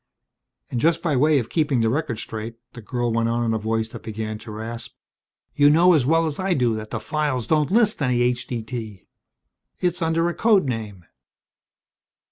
"And just by way of keeping the record straight," the girl went on in a voice that began to rasp, "you know as well as I do that the files don't list any H.D.T. It's under a code name."